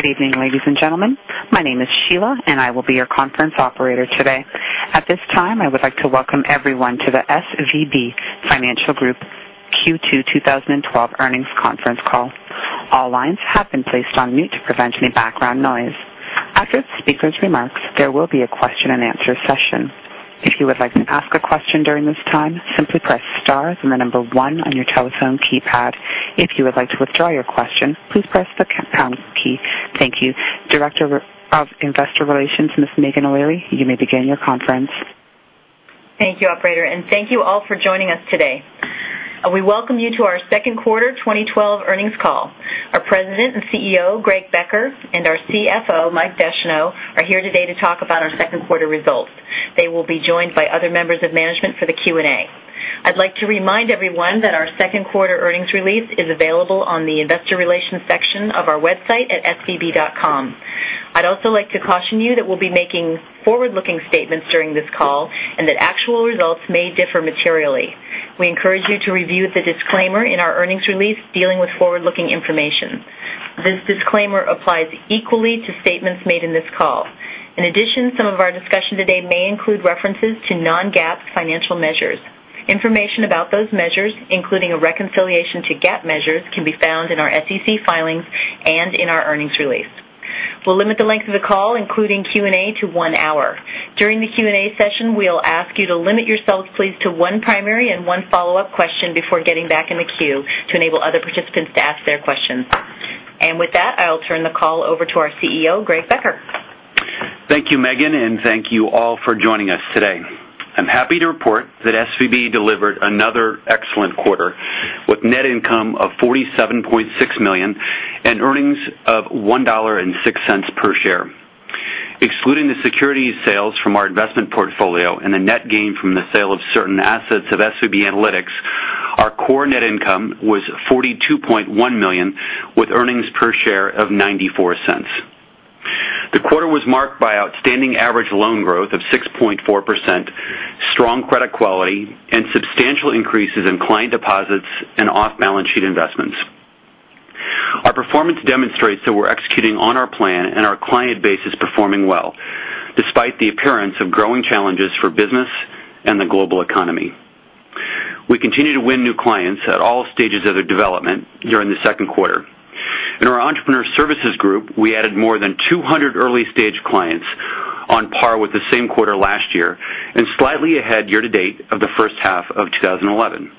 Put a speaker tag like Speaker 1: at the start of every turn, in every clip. Speaker 1: Good evening, ladies and gentlemen. My name is Sheila, and I will be your conference operator today. At this time, I would like to welcome everyone to the SVB Financial Group Q2 2012 earnings conference call. All lines have been placed on mute to prevent any background noise. After the speaker's remarks, there will be a question and answer session. If you would like to ask a question during this time, simply press star, then the number 1 on your telephone keypad. If you would like to withdraw your question, please press the pound key. Thank you. Director of Investor Relations, Ms. Meghan O'Leary, you may begin your conference.
Speaker 2: Thank you, operator, and thank you all for joining us today. We welcome you to our second quarter 2012 earnings call. Our President and CEO, Greg Becker, and our CFO, Mike Descheneaux, are here today to talk about our second quarter results. They will be joined by other members of management for the Q&A. I'd like to remind everyone that our second quarter earnings release is available on the investor relations section of our website at svb.com. I'd also like to caution you that we'll be making forward-looking statements during this call and that actual results may differ materially. We encourage you to review the disclaimer in our earnings release dealing with forward-looking information. This disclaimer applies equally to statements made in this call. In addition, some of our discussion today may include references to non-GAAP financial measures. Information about those measures, including a reconciliation to GAAP measures, can be found in our SEC filings and in our earnings release. We'll limit the length of the call, including Q&A, to one hour. During the Q&A session, we'll ask you to limit yourselves please to one primary and one follow-up question before getting back in the queue to enable other participants to ask their questions. With that, I'll turn the call over to our CEO, Greg Becker.
Speaker 3: Thank you, Meghan, and thank you all for joining us today. I'm happy to report that SVB delivered another excellent quarter with net income of $47.6 million and earnings of $1.06 per share. Excluding the security sales from our investment portfolio and the net gain from the sale of certain assets of SVB Analytics, our core net income was $42.1 million, with earnings per share of $0.94. The quarter was marked by outstanding average loan growth of 6.4%, strong credit quality, and substantial increases in client deposits and off-balance sheet investments. Our performance demonstrates that we're executing on our plan, and our client base is performing well despite the appearance of growing challenges for business and the global economy. We continue to win new clients at all stages of their development during the second quarter. In our Entrepreneur Services Group, we added more than 200 early-stage clients, on par with the same quarter last year and slightly ahead year-to-date of the first half of 2011.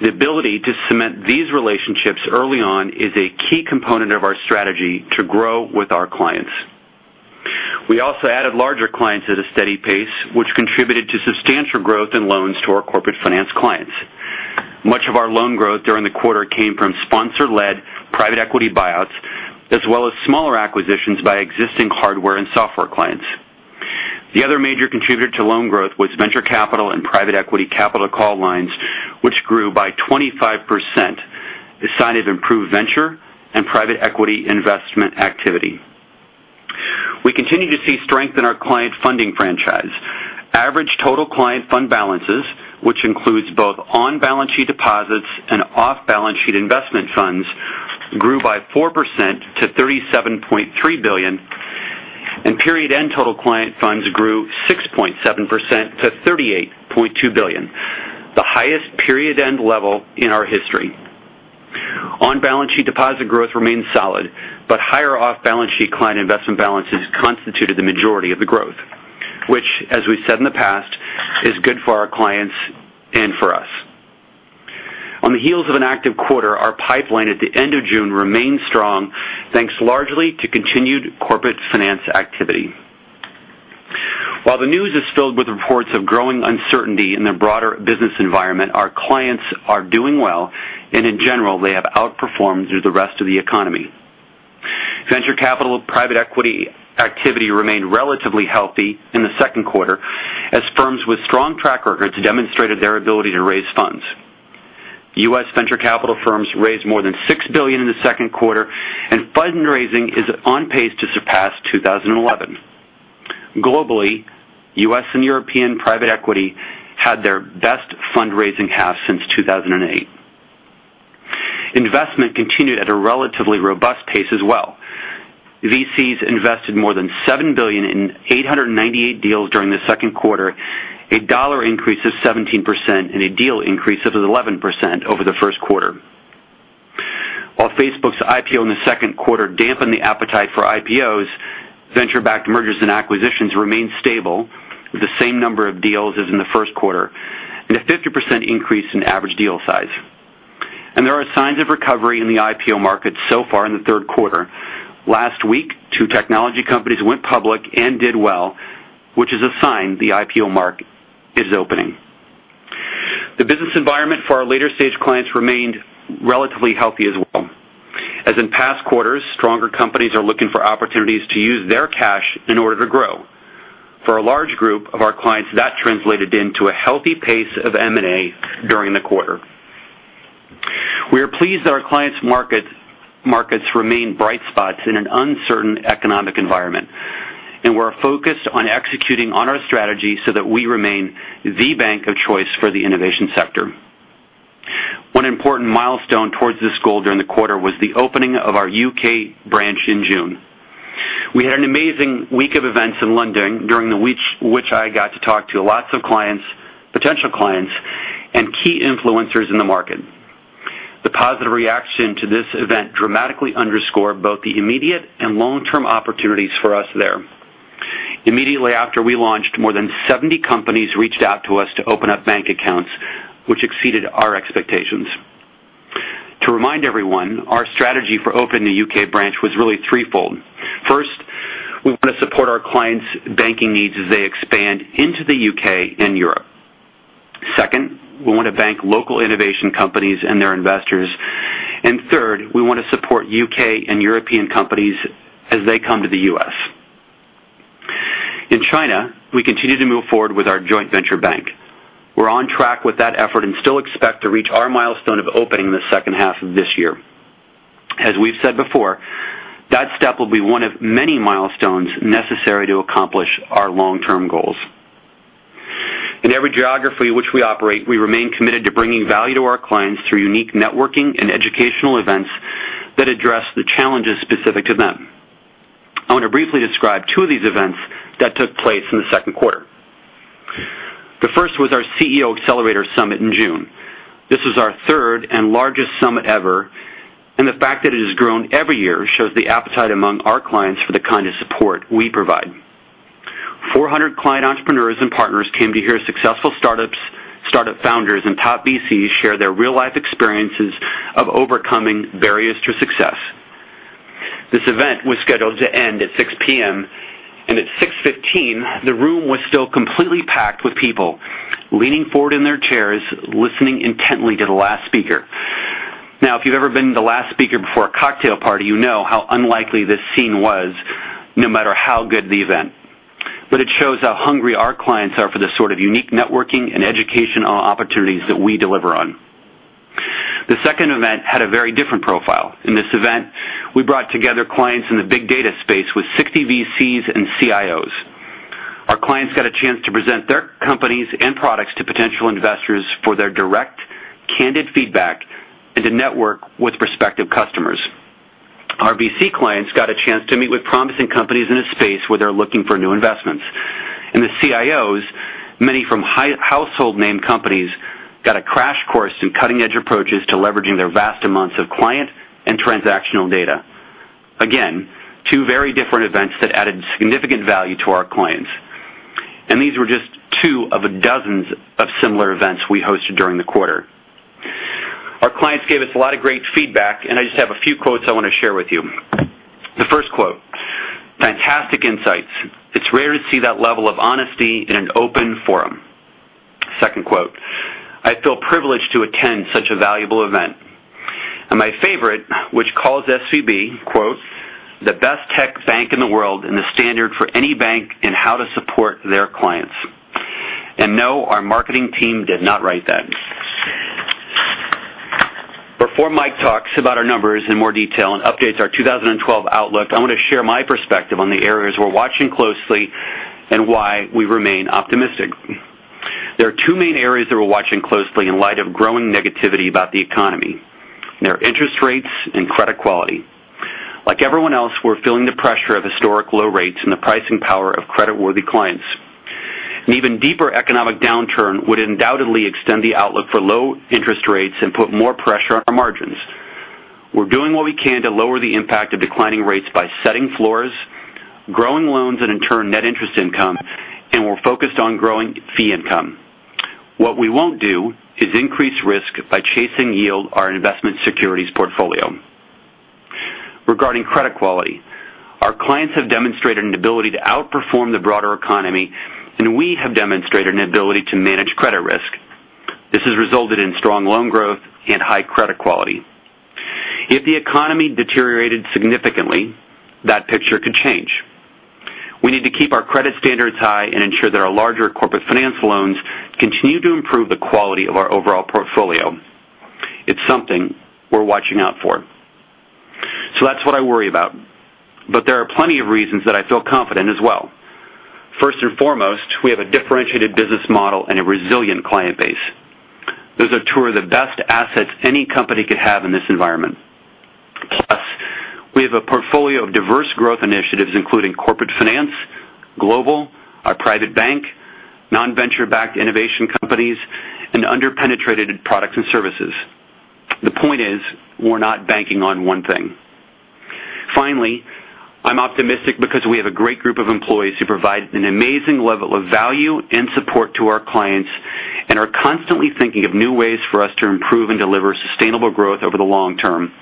Speaker 3: The ability to cement these relationships early on is a key component of our strategy to grow with our clients. We also added larger clients at a steady pace, which contributed to substantial growth in loans to our corporate finance clients. Much of our loan growth during the quarter came from sponsor-led private equity buyouts, as well as smaller acquisitions by existing hardware and software clients. The other major contributor to loan growth was venture capital and private equity capital call lines, which grew by 25%, a sign of improved venture and private equity investment activity. We continue to see strength in our client funding franchise. Average total client fund balances, which includes both on-balance sheet deposits and off-balance sheet investment funds, grew by 4% to $37.3 billion, and period-end total client funds grew 6.7% to $38.2 billion, the highest period-end level in our history. On-balance sheet deposit growth remains solid, but higher off-balance sheet client investment balances constituted the majority of the growth, which as we've said in the past, is good for our clients and for us. On the heels of an active quarter, our pipeline at the end of June remained strong, thanks largely to continued corporate finance activity. While the news is filled with reports of growing uncertainty in the broader business environment, our clients are doing well, and in general, they have outperformed through the rest of the economy. Venture capital private equity activity remained relatively healthy in the second quarter as firms with strong track records demonstrated their ability to raise funds. U.S. venture capital firms raised more than $6 billion in the second quarter, and fundraising is on pace to surpass 2011. Globally, U.S. and European private equity had their best fundraising half since 2008. Investment continued at a relatively robust pace as well. VCs invested more than $7 billion in 898 deals during the second quarter, a dollar increase of 17% and a deal increase of 11% over the first quarter. While Facebook's IPO in the second quarter dampened the appetite for IPOs, venture-backed mergers and acquisitions remained stable with the same number of deals as in the first quarter and a 50% increase in average deal size. There are signs of recovery in the IPO market so far in the third quarter. Last week, two technology companies went public and did well, which is a sign the IPO market is opening. The business environment for our later-stage clients remained relatively healthy as well. As in past quarters, stronger companies are looking for opportunities to use their cash in order to grow. For a large group of our clients, that translated into a healthy pace of M&A during the quarter. We are pleased that our clients' markets remain bright spots in an uncertain economic environment, and we're focused on executing on our strategy so that we remain the bank of choice for the innovation sector. One important milestone towards this goal during the quarter was the opening of our U.K. branch in June. We had an amazing week of events in London during which I got to talk to lots of potential clients and key influencers in the market. The positive reaction to this event dramatically underscored both the immediate and long-term opportunities for us there. Immediately after we launched, more than 70 companies reached out to us to open up bank accounts, which exceeded our expectations. To remind everyone, our strategy for opening the U.K. branch was really threefold. First, we want to support our clients' banking needs as they expand into the U.K. and Europe. Second, we want to bank local innovation companies and their investors. Third, we want to support U.K. and European companies as they come to the U.S. In China, we continue to move forward with our joint venture bank. We're on track with that effort and still expect to reach our milestone of opening the second half of this year. As we've said before, that step will be one of many milestones necessary to accomplish our long-term goals. In every geography which we operate, we remain committed to bringing value to our clients through unique networking and educational events that address the challenges specific to them. I want to briefly describe two of these events that took place in the second quarter. The first was our CEO Accelerator Summit in June. This was our third and largest summit ever, and the fact that it has grown every year shows the appetite among our clients for the kind of support we provide. 400 client entrepreneurs and partners came to hear successful startup founders and top VCs share their real-life experiences of overcoming barriers to success. This event was scheduled to end at 6:00 P.M. At 6:15 P.M., the room was still completely packed with people leaning forward in their chairs, listening intently to the last speaker. Now, if you've ever been the last speaker before a cocktail party, you know how unlikely this scene was, no matter how good the event. It shows how hungry our clients are for the sort of unique networking and educational opportunities that we deliver on. The second event had a very different profile. In this event, we brought together clients in the big data space with 60 VCs and CIOs. Our clients got a chance to present their companies and products to potential investors for their direct, candid feedback and to network with prospective customers. Our VC clients got a chance to meet with promising companies in a space where they're looking for new investments. The CIOs, many from household name companies, got a crash course in cutting-edge approaches to leveraging their vast amounts of client and transactional data. Again, two very different events that added significant value to our clients. These were just two of dozens of similar events we hosted during the quarter. Our clients gave us a lot of great feedback, and I just have a few quotes I want to share with you. The first quote, "Fantastic insights. It's rare to see that level of honesty in an open forum." Second quote, "I feel privileged to attend such a valuable event." My favorite, which calls SVB, quote, "The best tech bank in the world and the standard for any bank in how to support their clients." No, our marketing team did not write that. Before Mike talks about our numbers in more detail and updates our 2012 outlook, I want to share my perspective on the areas we're watching closely and why we remain optimistic. There are two main areas that we're watching closely in light of growing negativity about the economy. They are interest rates and credit quality. Like everyone else, we're feeling the pressure of historic low rates and the pricing power of credit-worthy clients. An even deeper economic downturn would undoubtedly extend the outlook for low interest rates and put more pressure on our margins. We're doing what we can to lower the impact of declining rates by setting floors, growing loans, and in turn, net interest income, and we're focused on growing fee income. What we won't do is increase risk by chasing yield our investment securities portfolio. Regarding credit quality, our clients have demonstrated an ability to outperform the broader economy, and we have demonstrated an ability to manage credit risk. This has resulted in strong loan growth and high credit quality. If the economy deteriorated significantly, that picture could change. We need to keep our credit standards high and ensure that our larger corporate finance loans continue to improve the quality of our overall portfolio. It's something we're watching out for. That's what I worry about. There are plenty of reasons that I feel confident as well. First and foremost, we have a differentiated business model and a resilient client base. Those are two of the best assets any company could have in this environment. Plus, we have a portfolio of diverse growth initiatives, including corporate finance, global, our private bank, non-venture-backed innovation companies, and under-penetrated products and services. The point is, we're not banking on one thing. Finally, I'm optimistic because we have a great group of employees who provide an amazing level of value and support to our clients and are constantly thinking of new ways for us to improve and deliver sustainable growth over the long term.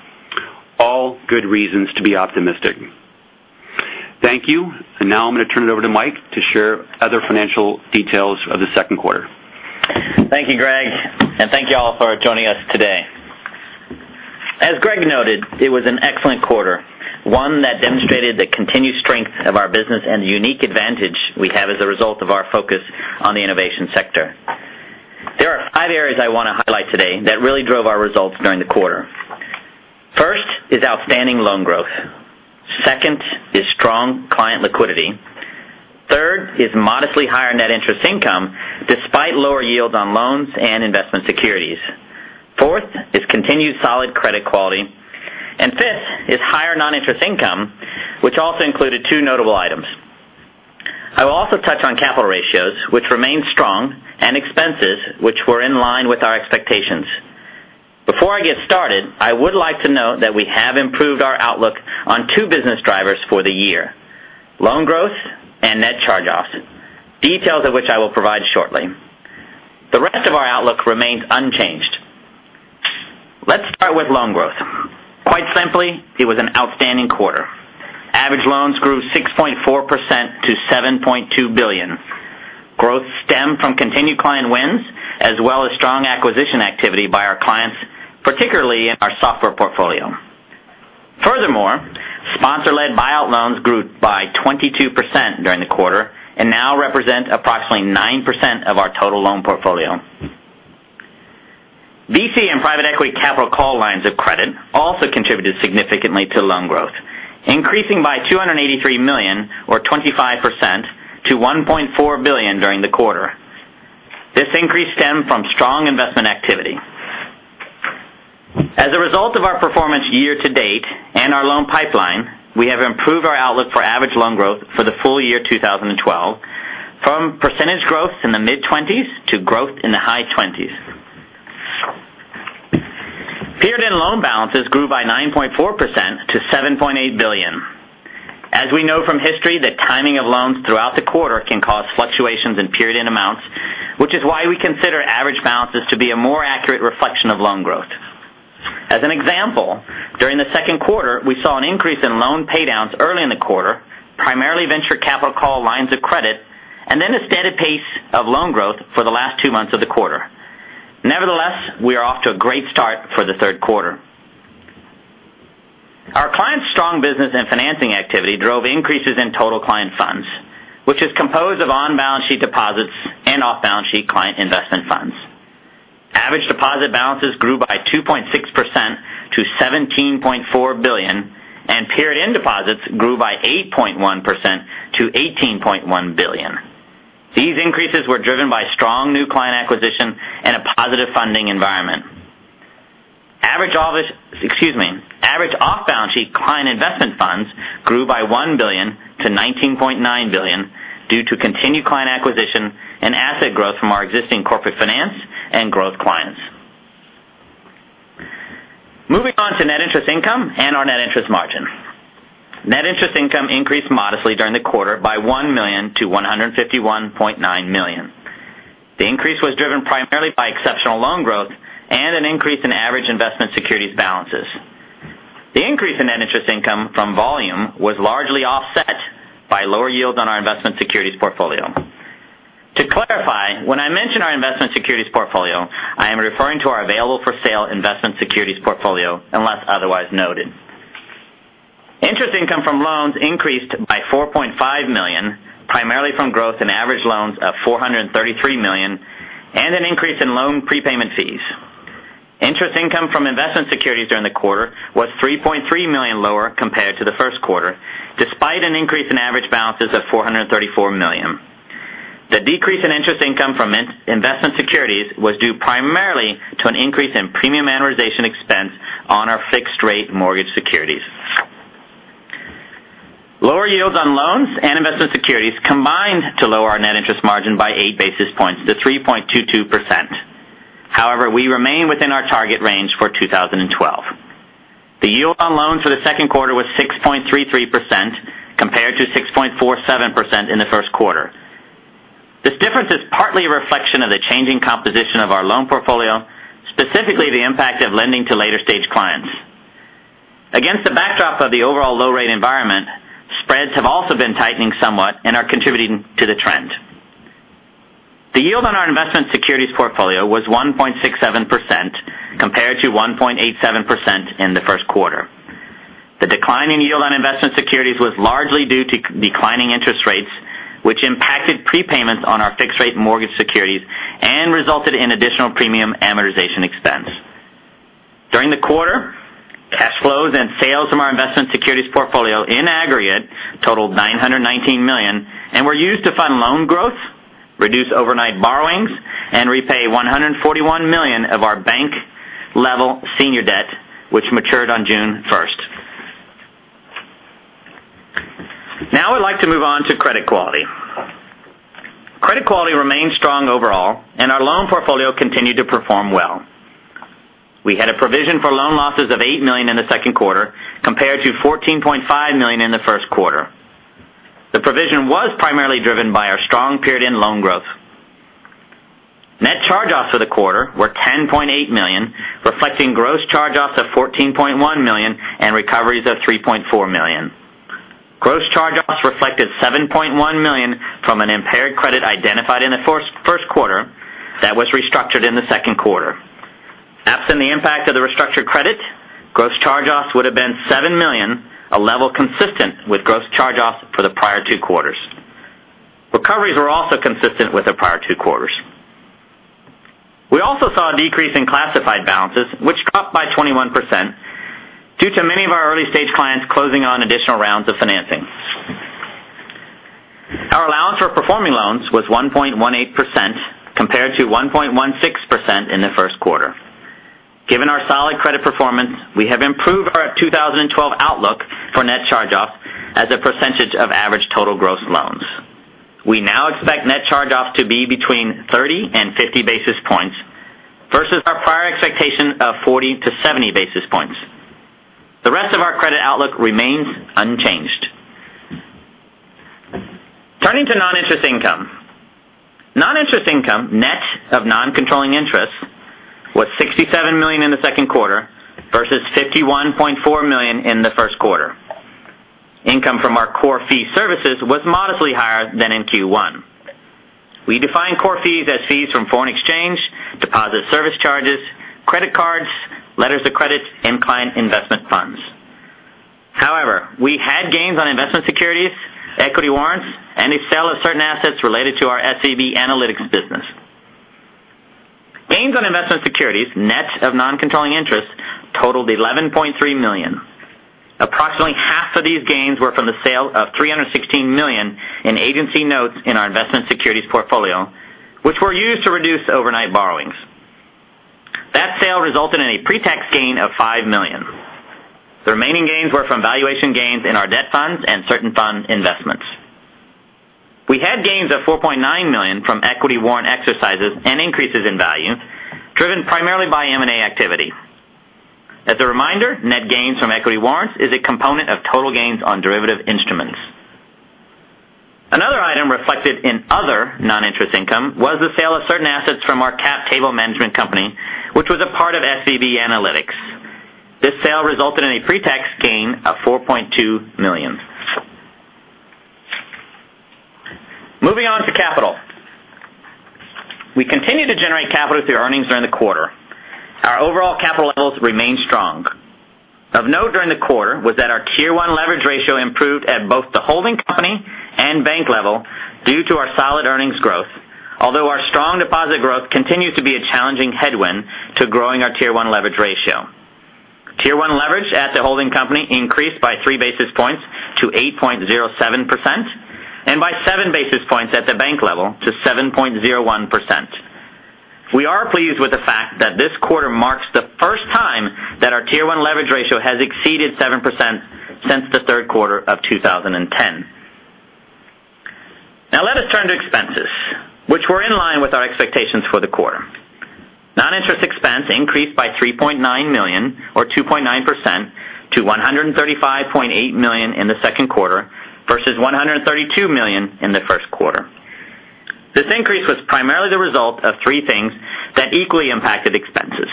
Speaker 3: All good reasons to be optimistic. Thank you. Now I'm going to turn it over to Mike to share other financial details of the second quarter.
Speaker 4: Thank you, Greg, and thank you all for joining us today. As Greg noted, it was an excellent quarter, one that demonstrated the continued strength of our business and the unique advantage we have as a result of our focus on the innovation sector. There are five areas I want to highlight today that really drove our results during the quarter. First is outstanding loan growth. Modestly higher net interest income despite lower yields on loans and investment securities. Fourth is continued solid credit quality. Fifth is higher non-interest income, which also included two notable items. I will also touch on capital ratios, which remain strong, and expenses, which were in line with our expectations. Before I get started, I would like to note that we have improved our outlook on two business drivers for the year: loan growth and net charge-offs, details of which I will provide shortly. The rest of our outlook remains unchanged. Let's start with loan growth. Quite simply, it was an outstanding quarter. Average loans grew 6.4% to $7.2 billion. Growth stemmed from continued client wins as well as strong acquisition activity by our clients, particularly in our software portfolio. Furthermore, sponsor-led buyout loans grew by 22% during the quarter and now represent approximately 9% of our total loan portfolio. VC and private equity capital call lines of credit also contributed significantly to loan growth, increasing by $283 million or 25% to $1.4 billion during the quarter. This increase stemmed from strong investment activity. As a result of our performance year to date and our loan pipeline, we have improved our outlook for average loan growth for the full year 2012 from percentage growth in the mid-20s to growth in the high 20s. Period-end loan balances grew by 9.4% to $7.8 billion. As we know from history, the timing of loans throughout the quarter can cause fluctuations in period-end amounts, which is why we consider average balances to be a more accurate reflection of loan growth. As an example, during the second quarter, we saw an increase in loan paydowns early in the quarter, primarily venture capital call lines of credit, and then a steady pace of loan growth for the last two months of the quarter. We are off to a great start for the third quarter. Our clients' strong business and financing activity drove increases in total client funds, which is composed of on-balance sheet deposits and off-balance sheet client investment funds. Average deposit balances grew by 2.6% to $17.4 billion, and period-end deposits grew by 8.1% to $18.1 billion. These increases were driven by strong new client acquisition and a positive funding environment. Average off-balance sheet client investment funds grew by $1 billion to $19.9 billion due to continued client acquisition and asset growth from our existing corporate finance and growth clients. Moving on to net interest income and our net interest margin. Net interest income increased modestly during the quarter by $1 million to $151.9 million. The increase was driven primarily by exceptional loan growth and an increase in average investment securities balances. The increase in net interest income from volume was largely offset by lower yields on our investment securities portfolio. To clarify, when I mention our investment securities portfolio, I am referring to our available-for-sale investment securities portfolio unless otherwise noted. Interest income from loans increased by $4.5 million, primarily from growth in average loans of $433 million and an increase in loan prepayment fees. Interest income from investment securities during the quarter was $3.3 million lower compared to the first quarter, despite an increase in average balances of $434 million. The decrease in interest income from investment securities was due primarily to an increase in premium amortization expense on our fixed-rate mortgage securities. Lower yields on loans and investment securities combined to lower our net interest margin by eight basis points to 3.22%. We remain within our target range for 2012. The yield on loans for the second quarter was 6.33%, compared to 6.47% in the first quarter. This difference is partly a reflection of the changing composition of our loan portfolio, specifically the impact of lending to later-stage clients. Against the backdrop of the overall low-rate environment, spreads have also been tightening somewhat and are contributing to the trend. The yield on our investment securities portfolio was 1.67%, compared to 1.87% in the first quarter. The decline in yield on investment securities was largely due to declining interest rates, which impacted prepayments on our fixed-rate mortgage securities and resulted in additional premium amortization expense. During the quarter, cash flows and sales from our investment securities portfolio in aggregate totaled $919 million and were used to fund loan growth, reduce overnight borrowings, and repay $141 million of our bank level senior debt, which matured on June 1st. I'd like to move on to credit quality. Credit quality remains strong overall, and our loan portfolio continued to perform well. We had a provision for loan losses of $8 million in the second quarter, compared to $14.5 million in the first quarter. The provision was primarily driven by our strong period-end loan growth. Net charge-offs for the quarter were $10.8 million, reflecting gross charge-offs of $14.1 million and recoveries of $3.4 million. Gross charge-offs reflected $7.1 million from an impaired credit identified in the first quarter that was restructured in the second quarter. Absent the impact of the restructured credit, gross charge-offs would have been $7 million, a level consistent with gross charge-offs for the prior two quarters. Recoveries were also consistent with the prior two quarters. We also saw a decrease in classified balances, which dropped by 21%, due to many of our early-stage clients closing on additional rounds of financing. Our allowance for performing loans was 1.18%, compared to 1.16% in the first quarter. Given our solid credit performance, we have improved our 2012 outlook for net charge-off as a percentage of average total gross loans. We now expect net charge-off to be between 30 and 50 basis points versus our prior expectation of 40-70 basis points. The rest of our credit outlook remains unchanged. Turning to non-interest income. Non-interest income, net of non-controlling interest, was $67 million in the second quarter versus $51.4 million in the first quarter. Income from our core fee services was modestly higher than in Q1. We define core fees as fees from foreign exchange, deposit service charges, credit cards, letters of credit, and client investment funds. However, we had gains on investment securities, equity warrants, and a sale of certain assets related to our SVB Analytics business. Gains on investment securities, net of non-controlling interests, totaled $11.3 million. Approximately half of these gains were from the sale of $316 million in agency notes in our investment securities portfolio, which were used to reduce overnight borrowings. That sale resulted in a pre-tax gain of $5 million. The remaining gains were from valuation gains in our debt funds and certain fund investments. We had gains of $4.9 million from equity warrant exercises and increases in value driven primarily by M&A activity. As a reminder, net gains from equity warrants is a component of total gains on derivative instruments. Another item reflected in other non-interest income was the sale of certain assets from our cap table management company, which was a part of SVB Analytics. This sale resulted in a pre-tax gain of $4.2 million. Moving on to capital. We continue to generate capital through earnings during the quarter. Our overall capital levels remain strong. Of note during the quarter was that our Tier 1 leverage ratio improved at both the holding company and bank level due to our solid earnings growth. Our strong deposit growth continues to be a challenging headwind to growing our Tier 1 leverage ratio. Tier 1 leverage at the holding company increased by three basis points to 8.07%, and by seven basis points at the bank level to 7.01%. We are pleased with the fact that this quarter marks the first time that our Tier 1 leverage ratio has exceeded 7% since the third quarter of 2010. Let us turn to expenses, which were in line with our expectations for the quarter. Non-interest expense increased by $3.9 million or 2.9% to $135.8 million in the second quarter versus $132 million in the first quarter. This increase was primarily the result of three things that equally impacted expenses.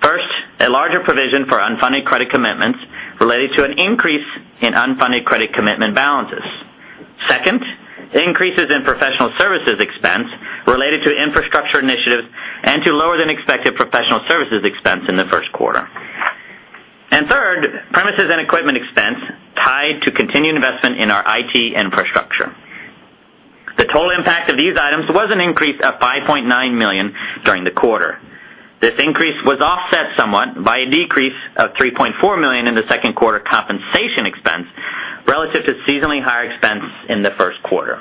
Speaker 4: First, a larger provision for unfunded credit commitments related to an increase in unfunded credit commitment balances. Second, increases in professional services expense related to infrastructure initiatives and to lower than expected professional services expense in the first quarter. Third, premises and equipment expense tied to continued investment in our IT infrastructure. The total impact of these items was an increase of $5.9 million during the quarter. This increase was offset somewhat by a decrease of $3.4 million in the second quarter compensation expense relative to seasonally higher expense in the first quarter.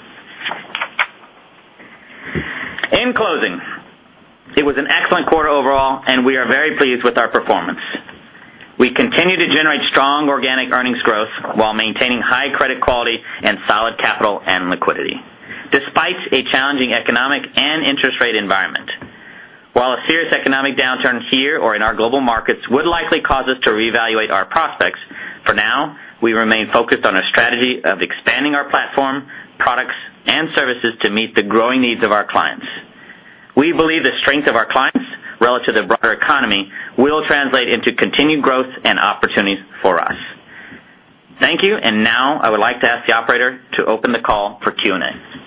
Speaker 4: In closing, it was an excellent quarter overall, and we are very pleased with our performance. We continue to generate strong organic earnings growth while maintaining high credit quality and solid capital and liquidity, despite a challenging economic and interest rate environment. While a serious economic downturn here or in our global markets would likely cause us to reevaluate our prospects. For now, we remain focused on a strategy of expanding our platform, products, and services to meet the growing needs of our clients. We believe the strength of our clients relative to the broader economy will translate into continued growth and opportunities for us. Thank you, and now I would like to ask the operator to open the call for Q&A.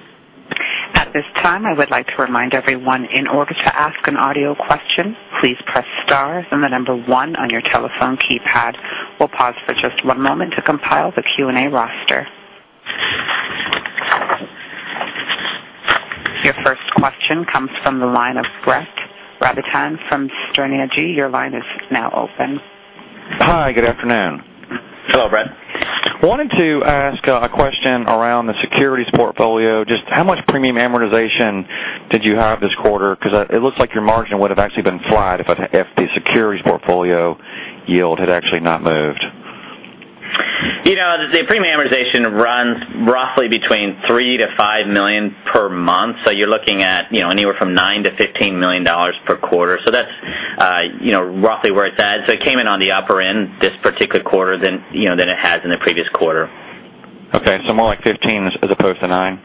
Speaker 1: At this time, I would like to remind everyone, in order to ask an audio question, please press star, then the number one on your telephone keypad. We will pause for just one moment to compile the Q&A roster. Your first question comes from the line of Brett Rabatin from Sterne Agee. Your line is now open.
Speaker 5: Hi, good afternoon.
Speaker 4: Hello, Brett.
Speaker 5: Wanted to ask a question around the securities portfolio. Just how much premium amortization did you have this quarter? It looks like your margin would have actually been flat if the securities portfolio yield had actually not moved.
Speaker 4: The premium amortization runs roughly between $3 million-$5 million per month. You're looking at anywhere from $9 million-$15 million per quarter. That's roughly where it's at. It came in on the upper end this particular quarter than it has in the previous quarter.
Speaker 5: Okay. More like 15 as opposed to nine?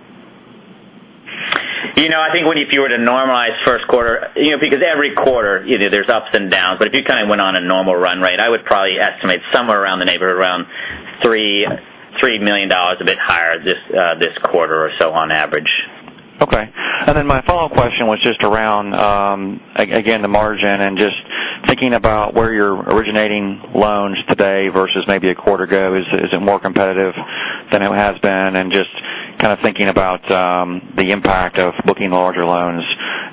Speaker 4: I think if you were to normalize first quarter, because every quarter there's ups and downs, but if you kind of went on a normal run rate, I would probably estimate somewhere around the neighborhood around $3 million a bit higher this quarter or so on average.
Speaker 5: Okay. My follow-up question was just around, again, the margin and just thinking about where you're originating loans today versus maybe a quarter ago, is it more competitive than it has been? Just thinking about the impact of booking larger loans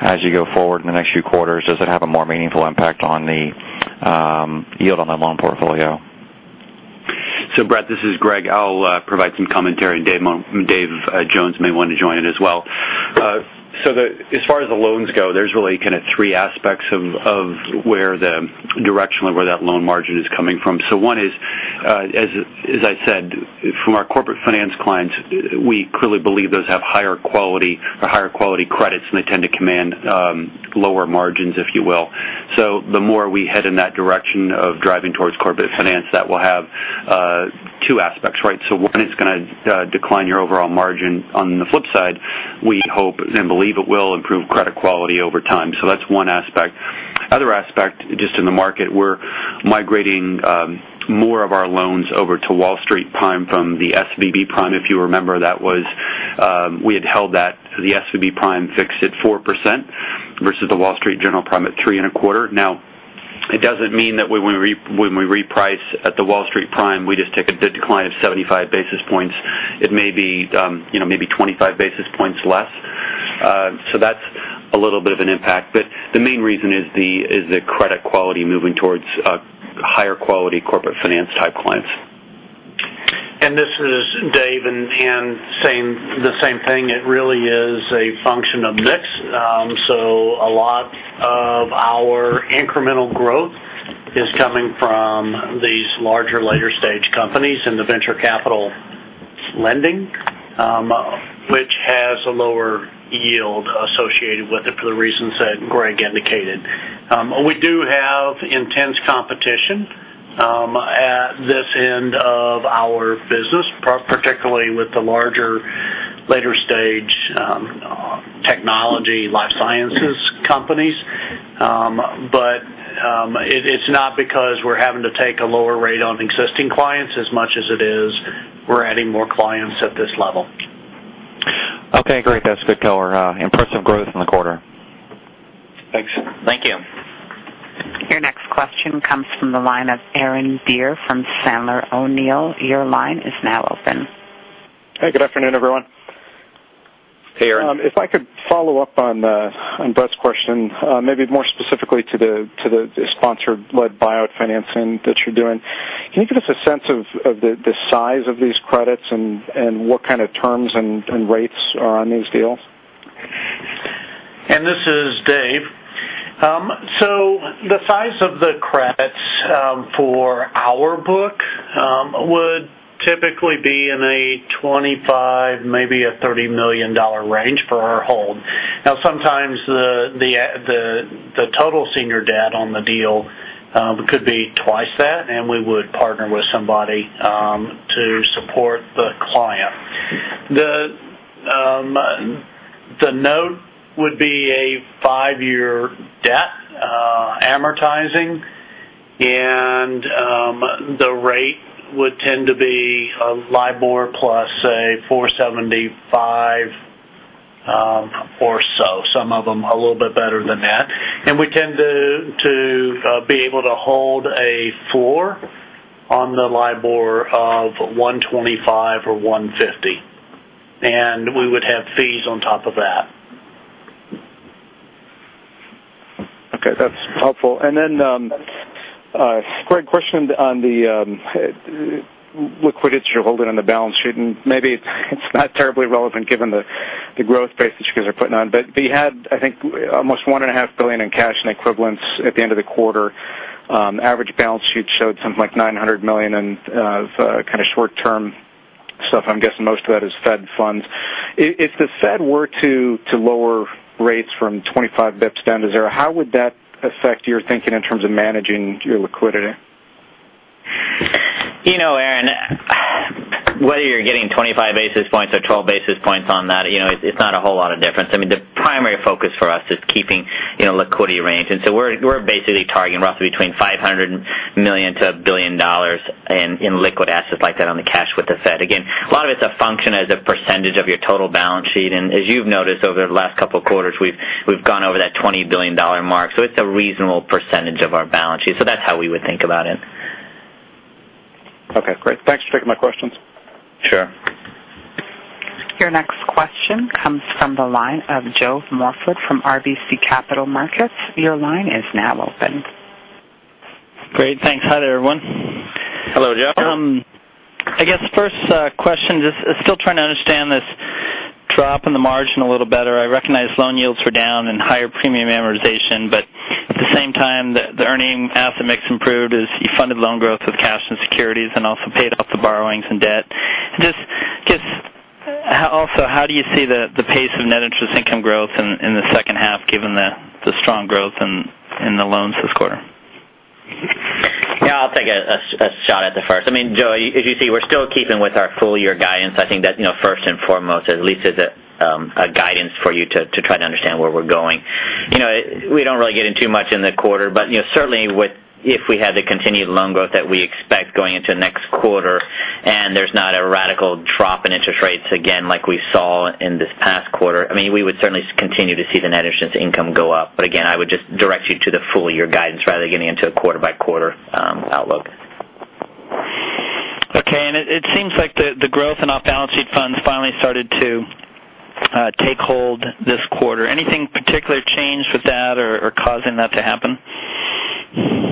Speaker 5: as you go forward in the next few quarters, does it have a more meaningful impact on the yield on the loan portfolio?
Speaker 3: Brett, this is Greg. I'll provide some commentary, and Dave Jones may want to join in as well. As far as the loans go, there's really kind of three aspects of where the directionally where that loan margin is coming from. One is, as I said, from our corporate finance clients, we clearly believe those have higher quality or higher quality credits, and they tend to command lower margins, if you will. The more we head in that direction of driving towards corporate finance, that will have two aspects, right? One is going to decline your overall margin. On the flip side, we hope and believe it will improve credit quality over time. That's one aspect. Other aspect, just in the market, we're migrating more of our loans over to Wall Street Prime from the SVB Prime. If you remember, we had held that, the SVB Prime fixed at 4% versus the Wall Street Journal Prime Rate at 3.25%. It doesn't mean that when we reprice at the Wall Street prime, we just take a decline of 75 basis points. It may be 25 basis points less. That's a little bit of an impact, but the main reason is the credit quality moving towards higher quality corporate finance type clients.
Speaker 6: This is Dave. The same thing, it really is a function of mix. A lot of our incremental growth is coming from these larger, later stage companies in the venture capital lending, which has a lower yield associated with it for the reasons that Greg indicated. We do have intense competition at this end of our business, particularly with the larger, later stage technology life sciences companies. It's not because we're having to take a lower rate on existing clients as much as it is we're adding more clients at this level.
Speaker 5: Okay, great. That's a good color. Impressive growth in the quarter.
Speaker 6: Thanks.
Speaker 4: Thank you.
Speaker 1: Your next question comes from the line of Aaron Deer from Sandler O'Neill. Your line is now open.
Speaker 7: Hey, good afternoon, everyone.
Speaker 4: Hey, Aaron.
Speaker 7: If I could follow up on Brett's question, maybe more specifically to the sponsor-led buyout financing that you're doing. Can you give us a sense of the size of these credits and what kind of terms and rates are on these deals?
Speaker 6: This is Dave. The size of the credits for our book would typically be in a $25 million, maybe a $30 million range for our hold. Sometimes the total senior debt on the deal could be twice that, and we would partner with somebody to support the client. The note would be a five-year debt amortizing, and the rate would tend to be a LIBOR plus, say, 475 or so. Some of them a little bit better than that. We tend to be able to hold a four on the LIBOR of 125 or 150, and we would have fees on top of that.
Speaker 7: Okay, that's helpful. Greg, question on the liquidity you're holding on the balance sheet, and maybe it's not terribly relevant given the growth pace that you guys are putting on. You had, I think, almost $1.5 billion in cash and equivalents at the end of the quarter. Average balance sheet showed something like $900 million in kind of short term stuff. I'm guessing most of that is Fed funds. If the Fed were to lower rates from 25 basis points down to zero, how would that affect your thinking in terms of managing your liquidity?
Speaker 4: Aaron, whether you're getting 25 basis points or 12 basis points on that, it's not a whole lot of difference. I mean, the primary focus for us is keeping liquidity range. We're basically targeting roughly between $500 million-$1 billion in liquid assets like that on the cash with the Fed. Again, a lot of it's a function as a percentage of your total balance sheet. As you've noticed over the last couple of quarters, we've gone over that $20 billion mark. It's a reasonable percentage of our balance sheet. That's how we would think about it.
Speaker 7: Okay, great. Thanks for taking my questions.
Speaker 4: Sure.
Speaker 1: Your next question comes from the line of Joe Morford from RBC Capital Markets. Your line is now open.
Speaker 8: Great. Thanks. Hi there, everyone.
Speaker 4: Hello, Joe.
Speaker 8: I guess first question, just still trying to understand this drop in the margin a little better. I recognize loan yields were down and higher premium amortization, but at the same time, the earning asset mix improved as you funded loan growth with cash and securities and also paid off the borrowings and debt. Just also, how do you see the pace of net interest income growth in the second half given the strong growth in the loans this quarter?
Speaker 4: Yeah, I'll take a shot at the first. Joe, as you see, we're still keeping with our full year guidance. I think that, first and foremost, at least as a guidance for you to try to understand where we're going. We don't really get in too much in the quarter, but certainly, if we had the continued loan growth that we expect going into next quarter. We would certainly continue to see the net interest income go up. Again, I would just direct you to the full year guidance rather than getting into a quarter-by-quarter outlook.
Speaker 8: Okay. It seems like the growth in off-balance sheet funds finally started to take hold this quarter. Anything particular changed with that or causing that to happen?
Speaker 3: Yeah,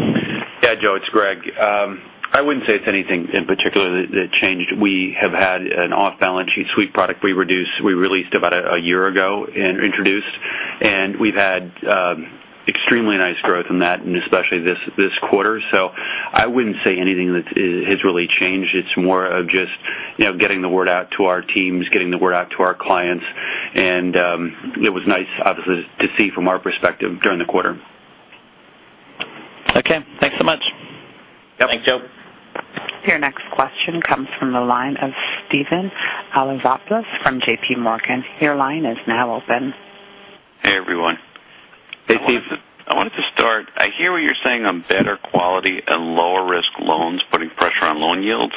Speaker 3: Joe, it's Greg. I wouldn't say it's anything in particular that changed. We have had an off-balance sheet suite product we released about a year ago and introduced, and we've had extremely nice growth in that, and especially this quarter. I wouldn't say anything that has really changed. It's more of just getting the word out to our teams, getting the word out to our clients, and it was nice, obviously, to see from our perspective during the quarter.
Speaker 8: Okay. Thanks so much.
Speaker 4: Yep. Thanks, Joe.
Speaker 1: Your next question comes from the line of Steven Alexopoulos from JPMorgan. Your line is now open.
Speaker 9: Hey, everyone.
Speaker 3: Hey, Steven.
Speaker 9: I wanted to start, I hear what you're saying on better quality and lower risk loans putting pressure on loan yields.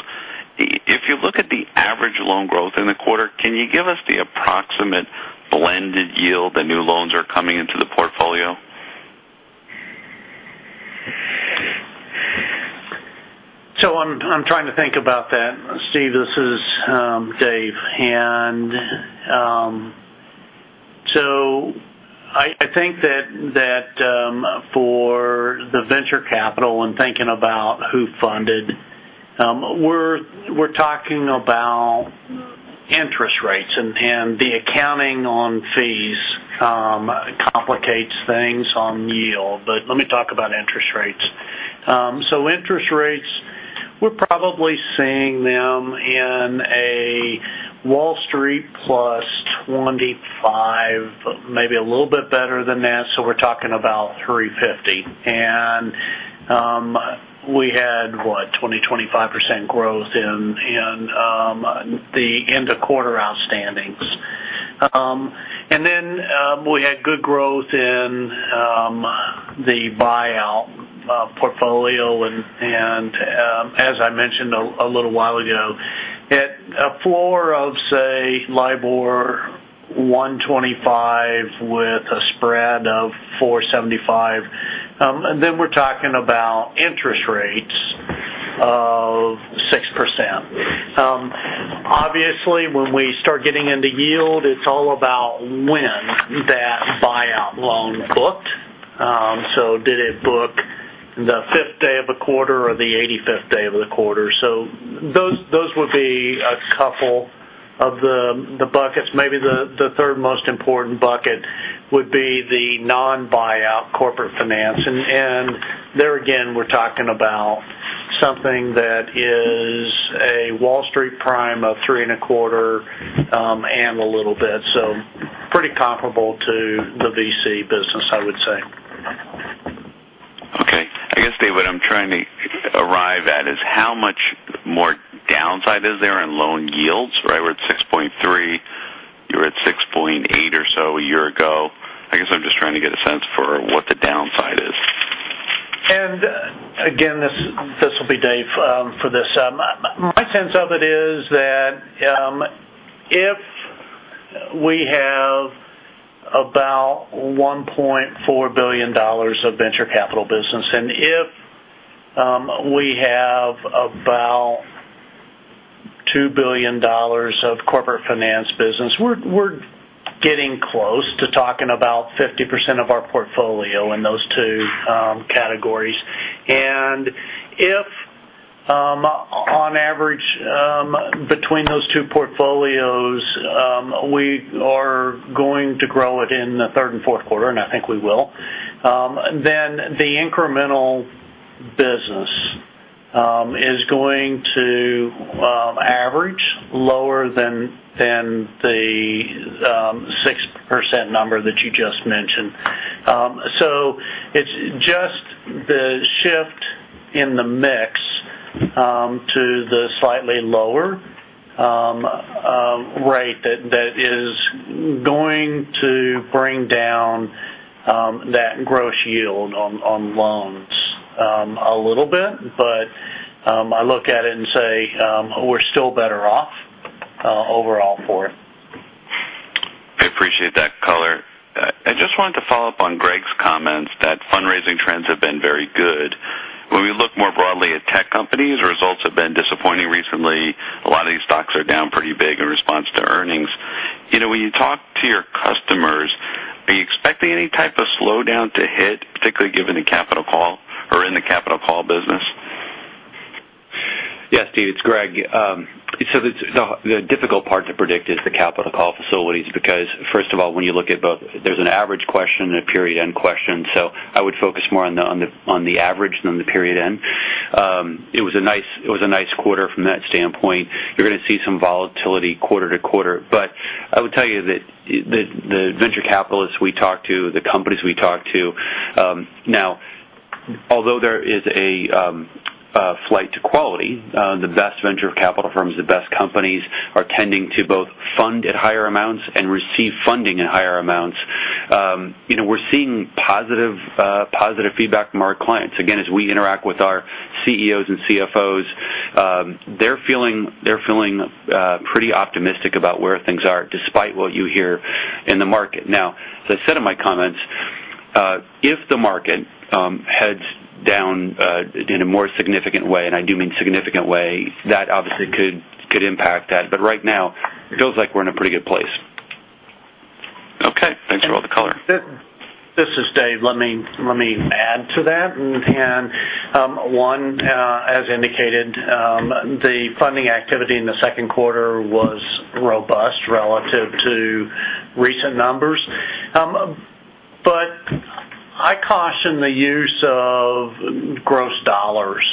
Speaker 9: If you look at the average loan growth in the quarter, can you give us the approximate blended yield the new loans are coming into the portfolio?
Speaker 6: I'm trying to think about that. Steve, this is Dave. I think that for the venture capital and thinking about who funded, we're talking about interest rates, and the accounting on fees complicates things on yield. Let me talk about interest rates. Interest rates, we're probably seeing them in a Wall Street plus 25, maybe a little bit better than that. We're talking about 350. We had, what? 20%, 25% growth in the end of quarter outstandings. We had good growth in the buyout portfolio and as I mentioned a little while ago, at a floor of, say, LIBOR 125 with a spread of 475. We're talking about interest rates of 6%. Obviously, when we start getting into yield, it's all about when that buyout loan booked. Did it book the fifth day of the quarter or the 85th day of the quarter? Those would be a couple of the buckets. Maybe the third most important bucket would be the non-buyout corporate finance. There again, we're talking about something that is a Wall Street prime of three and a quarter and a little bit. Pretty comparable to the VC business, I would say.
Speaker 9: Okay. I guess, Dave, what I'm trying to arrive at is how much more downside is there in loan yields? We're at 6.3%. You were at 6.8% or so a year ago. I guess I'm just trying to get a sense for what the downside is.
Speaker 6: This will be Dave for this. My sense of it is that if we have about $1.4 billion of venture capital business, and if we have about $2 billion of corporate finance business, we're getting close to talking about 50% of our portfolio in those two categories. If on average between those two portfolios, we are going to grow it in the third and fourth quarter, and I think we will, then the incremental business is going to average lower than the 6% number that you just mentioned. It's just the shift in the mix to the slightly lower rate that is going to bring down that gross yield on loans a little bit. I look at it and say we're still better off overall for it.
Speaker 9: I appreciate that color. I just wanted to follow up on Greg's comments that fundraising trends have been very good. When we look more broadly at tech companies, results have been disappointing recently. A lot of these stocks are down pretty big in response to earnings. When you talk to your customers, are you expecting any type of slowdown to hit, particularly given the capital call or in the capital call business?
Speaker 3: Yes, Steve, it's Greg. The difficult part to predict is the capital call facilities because first of all, when you look at both, there's an average question and a period end question. I would focus more on the average than the period end. It was a nice quarter from that standpoint. You're going to see some volatility quarter to quarter. I would tell you that the venture capitalists we talk to, the companies we talk to now, although there is a flight to quality, the best venture capital firms, the best companies are tending to both fund at higher amounts and receive funding at higher amounts
Speaker 4: We're seeing positive feedback from our clients. Again, as we interact with our CEOs and CFOs, they're feeling pretty optimistic about where things are, despite what you hear in the market. As I said in my comments, if the market heads down in a more significant way, and I do mean significant way, that obviously could impact that. Right now, it feels like we're in a pretty good place.
Speaker 9: Okay. Thanks for all the color.
Speaker 6: This is Dave. Let me add to that. One, as indicated, the funding activity in the second quarter was robust relative to recent numbers. I caution the use of gross dollars.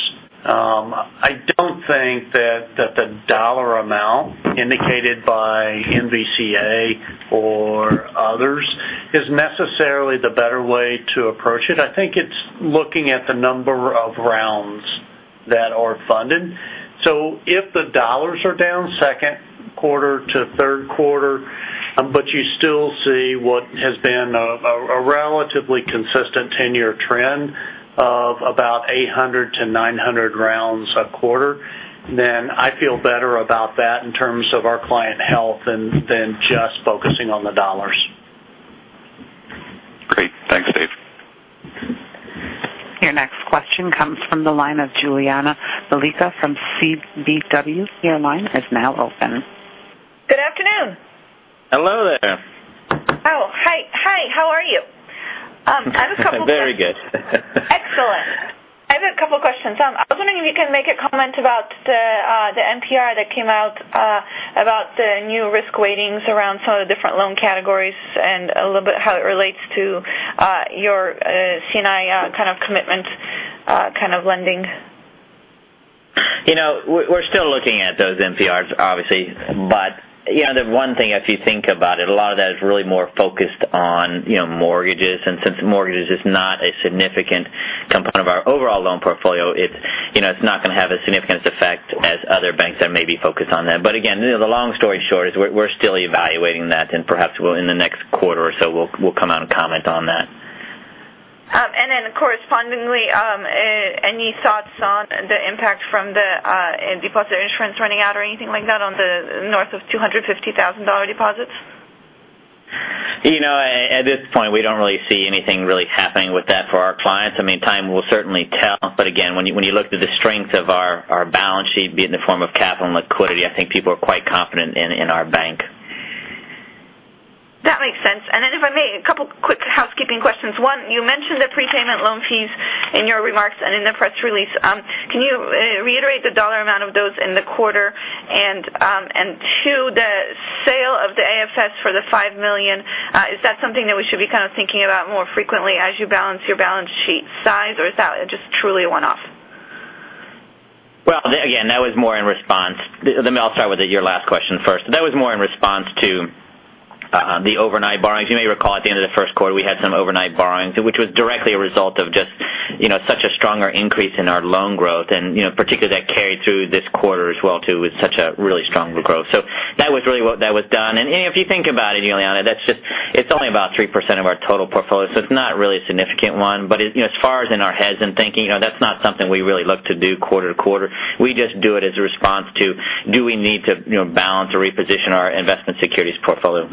Speaker 6: I don't think that the dollar amount indicated by NVCA or others is necessarily the better way to approach it. I think it's looking at the number of rounds that are funded. If the dollars are down second quarter to third quarter, but you still see what has been a relatively consistent 10-year trend of about 800 to 900 rounds a quarter, then I feel better about that in terms of our client health than just focusing on the dollars.
Speaker 9: Great. Thanks, Dave.
Speaker 1: Your next question comes from the line of Julianna Balicka from KBW. Your line is now open.
Speaker 10: Good afternoon.
Speaker 4: Hello there.
Speaker 10: Oh, hi. How are you? I have a couple-
Speaker 4: Very good.
Speaker 10: Excellent. I have a couple questions. I was wondering if you can make a comment about the NPR that came out about the new risk weightings around some of the different loan categories and a little bit how it relates to your C&I kind of commitment, kind of lending.
Speaker 4: We're still looking at those NPRs, obviously. The one thing, if you think about it, a lot of that is really more focused on mortgages. Since mortgages is not a significant component of our overall loan portfolio, it's not going to have as significant effect as other banks that may be focused on that. Again, the long story short is we're still evaluating that and perhaps in the next quarter or so, we'll come out and comment on that.
Speaker 10: Correspondingly, any thoughts on the impact from the deposit insurance running out or anything like that on the north of $250,000 deposits?
Speaker 4: At this point, we don't really see anything really happening with that for our clients. Time will certainly tell. Again, when you look at the strength of our balance sheet, be it in the form of capital and liquidity, I think people are quite confident in our bank.
Speaker 10: That makes sense. If I may, a couple quick housekeeping questions. One, you mentioned the prepayment loan fees in your remarks and in the press release. Can you reiterate the dollar amount of those in the quarter? Two, the sale of the AFS for the $5 million, is that something that we should be kind of thinking about more frequently as you balance your balance sheet size, or is that just truly a one-off?
Speaker 4: Again, I'll start with your last question first. That was more in response to the overnight borrowings. You may recall at the end of the first quarter, we had some overnight borrowings, which was directly a result of just such a stronger increase in our loan growth, and particularly that carried through this quarter as well, too, with such a really strong growth. That was really why that was done. If you think about it, Julianna, it's only about 3% of our total portfolio, so it's not really a significant one. As far as in our heads and thinking, that's not something we really look to do quarter to quarter. We just do it as a response to do we need to balance or reposition our investment securities portfolio.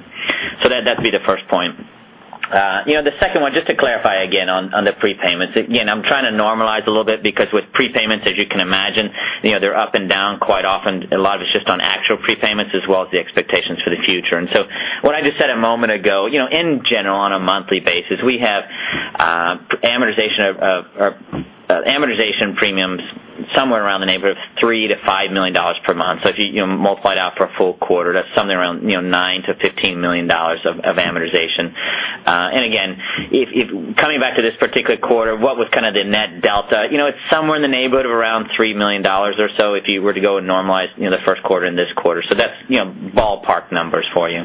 Speaker 4: That'd be the first point. The second one, just to clarify again on the prepayments. Again, I'm trying to normalize a little bit because with prepayments, as you can imagine, they're up and down quite often. A lot of it's just on actual prepayments as well as the expectations for the future. What I just said a moment ago, in general, on a monthly basis, we have amortization premiums somewhere around the neighborhood of $3 million-$5 million per month. If you multiply it out for a full quarter, that's something around $9 million-$15 million of amortization. Again, coming back to this particular quarter, what was kind of the net delta? It's somewhere in the neighborhood of around $3 million or so if you were to go and normalize the first quarter and this quarter. That's ballpark numbers for you.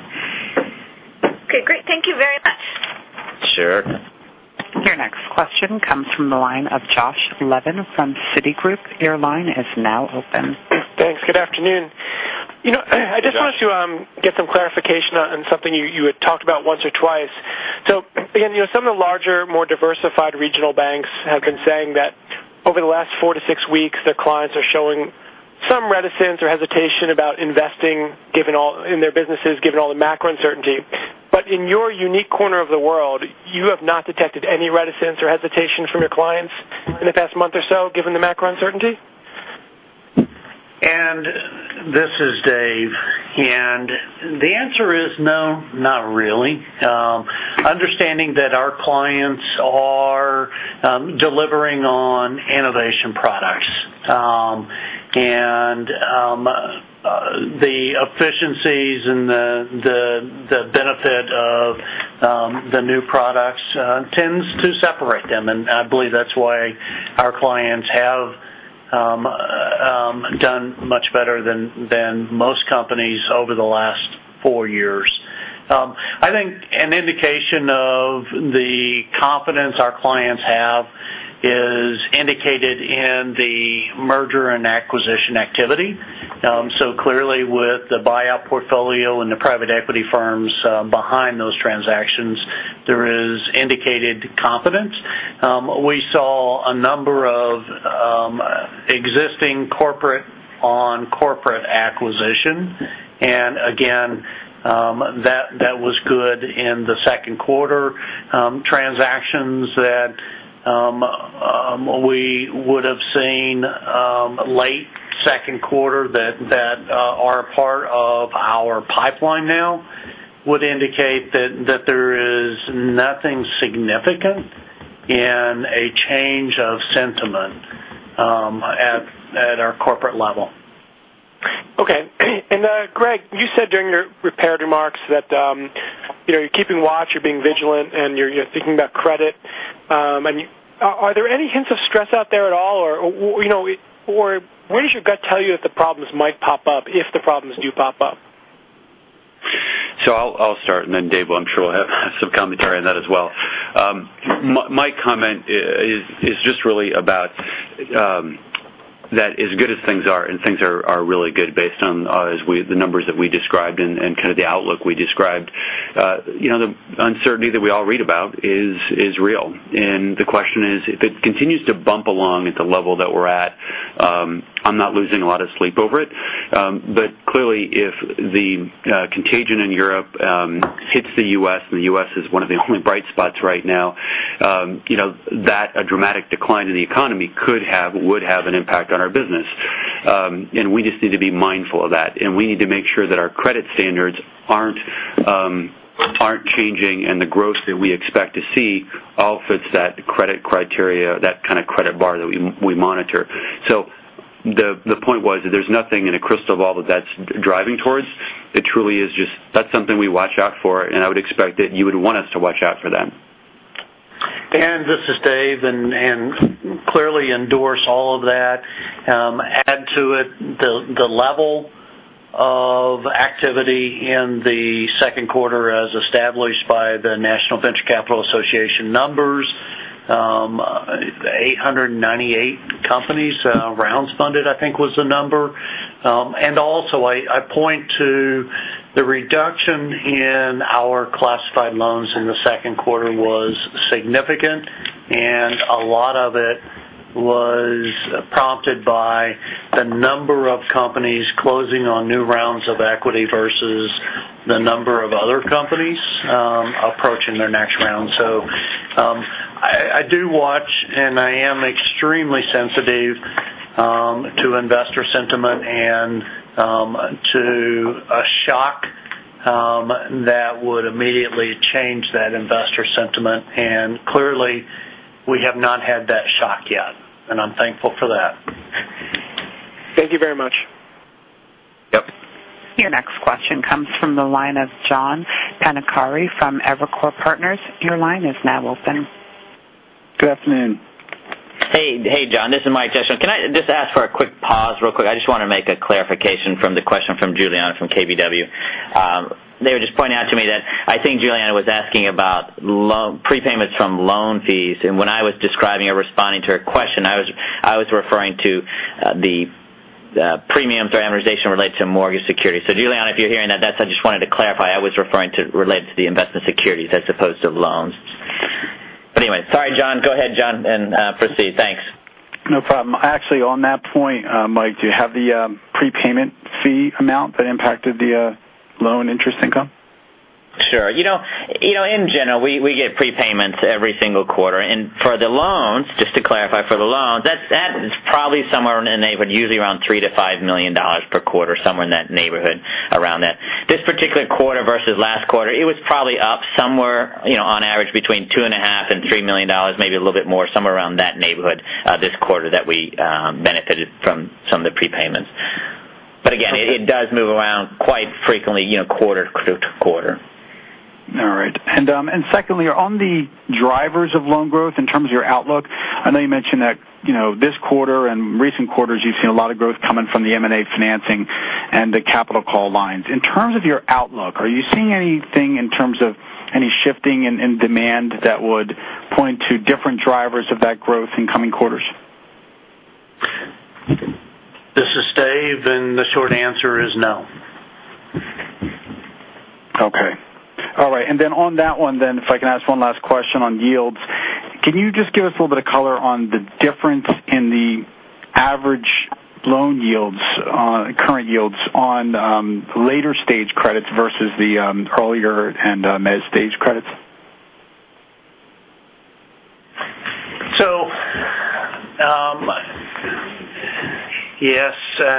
Speaker 10: Okay, great. Thank you very much.
Speaker 4: Sure.
Speaker 1: Your next question comes from the line of Josh Levin from Citigroup. Your line is now open.
Speaker 11: Thanks. Good afternoon. I just wanted to get some clarification on something you had talked about once or twice. Again, some of the larger, more diversified regional banks have been saying that over the last four to six weeks, their clients are showing some reticence or hesitation about investing in their businesses, given all the macro uncertainty. In your unique corner of the world, you have not detected any reticence or hesitation from your clients in the past month or so, given the macro uncertainty?
Speaker 6: This is Dave. The answer is no, not really. Understanding that our clients are delivering on innovation products. The efficiencies and the benefit of the new products tends to separate them, and I believe that's why our clients have done much better than most companies over the last four years. I think an indication of the confidence our clients have Merger and acquisition activity. Clearly with the buyout portfolio and the private equity firms behind those transactions, there is indicated confidence. We saw a number of existing corporate-on-corporate acquisition. Again, that was good in the second quarter. Transactions that we would've seen late second quarter that are part of our pipeline now would indicate that there is nothing significant in a change of sentiment at our corporate level.
Speaker 11: Okay. Greg, you said during your prepared remarks that you're keeping watch, you're being vigilant, and you're thinking about credit. Are there any hints of stress out there at all, or where does your gut tell you that the problems might pop up if the problems do pop up?
Speaker 3: I'll start, then Dave, I'm sure, will have some commentary on that as well. My comment is just really about that as good as things are. Things are really good based on the numbers that we described and kind of the outlook we described. The uncertainty that we all read about is real. The question is, if it continues to bump along at the level that we're at, I'm not losing a lot of sleep over it. Clearly, if the contagion in Europe hits the U.S., the U.S. is one of the only bright spots right now, a dramatic decline in the economy could have, would have an impact on our business. We just need to be mindful of that.
Speaker 4: We need to make sure that our credit standards aren't changing. The growth that we expect to see all fits that credit criteria, that kind of credit bar that we monitor. The point was that there's nothing in a crystal ball that's driving towards. It truly is just that's something we watch out for. I would expect that you would want us to watch out for that.
Speaker 6: And this is Dave. Clearly endorse all of that. Add to it the level of activity in the second quarter as established by the National Venture Capital Association numbers. 898 companies rounds funded, I think was the number. Also, I point to the reduction in our classified loans in the second quarter was significant. A lot of it was prompted by the number of companies closing on new rounds of equity versus the number of other companies approaching their next round. I do watch, I am extremely sensitive to investor sentiment and to a shock that would immediately change that investor sentiment. Clearly, we have not had that shock yet. I'm thankful for that.
Speaker 11: Thank you very much.
Speaker 4: Yep.
Speaker 1: Your next question comes from the line of John Pancari from Evercore Partners. Your line is now open.
Speaker 12: Good afternoon.
Speaker 13: Hey, John. This is Mike Jessive. Can I just ask for a quick pause real quick? I just want to make a clarification from the question from Julianna from KBW. They were just pointing out to me that I think Julianna was asking about prepayments from loan fees, and when I was describing or responding to her question, I was referring to the premium amortization related to mortgage securities. Julianna, if you're hearing that, I just wanted to clarify, I was referring to related to the investment securities as opposed to loans. Anyway, sorry, John. Go ahead, John, and proceed. Thanks.
Speaker 12: No problem. Actually, on that point, Mike, do you have the prepayment fee amount that impacted the loan interest income?
Speaker 4: Sure. In general, we get prepayments every single quarter. For the loans, just to clarify for the loans, that is probably somewhere in the neighborhood, usually around $3 million-$5 million per quarter. Somewhere in that neighborhood around that. This particular quarter versus last quarter, it was probably up somewhere, on average between $2.5 million-$3 million, maybe a little bit more, somewhere around that neighborhood this quarter that we benefited from some of the prepayments. Again, it does move around quite frequently quarter-to-quarter.
Speaker 12: All right. Secondly, on the drivers of loan growth in terms of your outlook, I know you mentioned that this quarter and recent quarters, you've seen a lot of growth coming from the M&A financing and the capital call lines. In terms of your outlook, are you seeing anything in terms of any shifting in demand that would point to different drivers of that growth in coming quarters?
Speaker 6: This is Dave, the short answer is no.
Speaker 12: Okay. All right. Then on that one then, if I can ask one last question on yields. Can you just give us a little bit of color on the difference in the average loan yields, current yields on later stage credits versus the earlier and mid stage credits?
Speaker 6: Yes.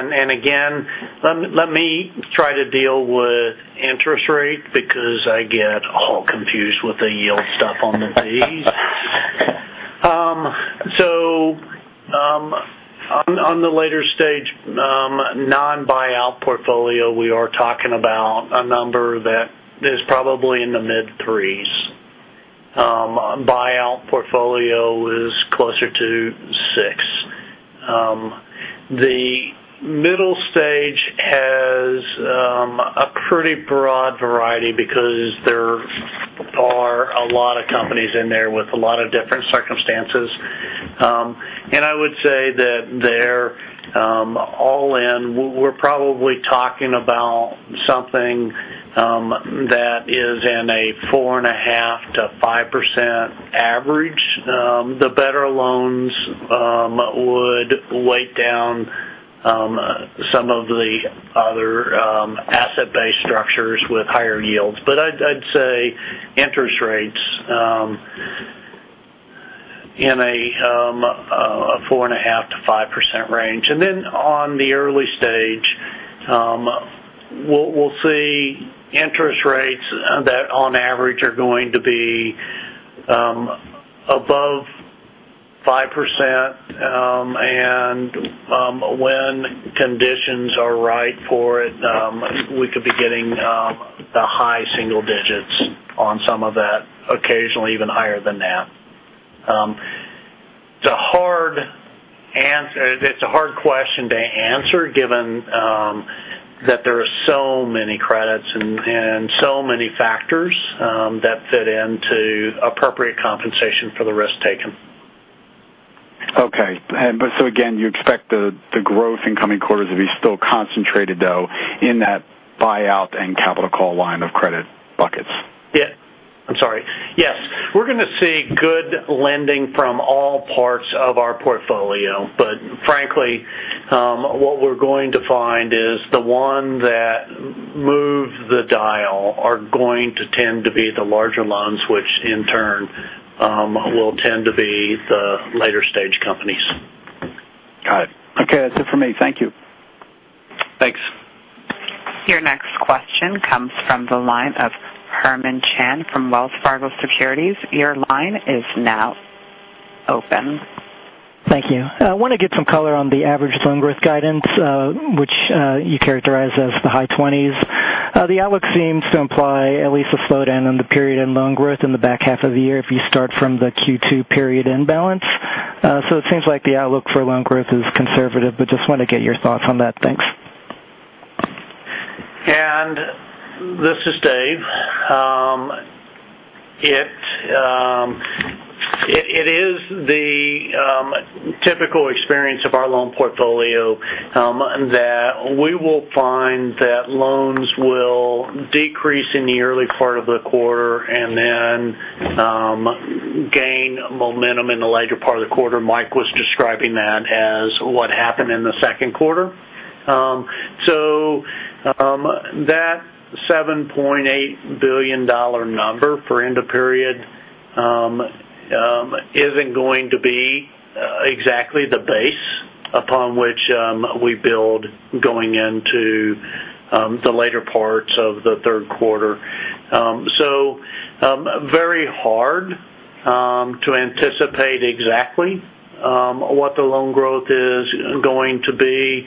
Speaker 6: Again, let me try to deal with interest rate because I get all confused with the yield stuff on the fees. On the later stage non-buyout portfolio, we are talking about a number that is probably in the mid threes. Buyout portfolio is closer to six. The middle stage a broad variety because there are a lot of companies in there with a lot of different circumstances. I would say that they're all in. We're probably talking about something that is in a 4.5%-5% average. The better loans would weigh down some of the other asset-based structures with higher yields. I'd say interest rates in a 4.5%-5% range. On the early stage, we'll see interest rates that on average are going to be above 5%, and when conditions are right for it, we could be getting the high single digits on some of that, occasionally even higher than that. It's a hard question to answer given that there are so many credits and so many factors that fit into appropriate compensation for the risk taken.
Speaker 12: Okay. Again, you expect the growth in coming quarters to be still concentrated though in that buyout and capital call line of credit buckets?
Speaker 6: Yeah. I'm sorry. Yes. We're going to see good lending from all parts of our portfolio, but frankly, what we're going to find is the one that moves the dial are going to tend to be the larger loans, which in turn, will tend to be the later stage companies.
Speaker 12: Got it. Okay. That's it for me. Thank you.
Speaker 6: Thanks.
Speaker 1: Your next question comes from the line of Herman Chan from Wells Fargo Securities. Your line is now open.
Speaker 14: Thank you. I want to get some color on the average loan growth guidance, which you characterize as the high twenties. The outlook seems to imply at least a slowdown on the period end loan growth in the back half of the year if you start from the Q2 period end balance. It seems like the outlook for loan growth is conservative, just want to get your thoughts on that. Thanks.
Speaker 6: This is Dave. It is the typical experience of our loan portfolio, that we will find that loans will decrease in the early part of the quarter and then gain momentum in the later part of the quarter. Mike was describing that as what happened in the second quarter. That $7.8 billion number for end of period isn't going to be exactly the base upon which we build going into the later parts of the third quarter. Very hard to anticipate exactly what the loan growth is going to be.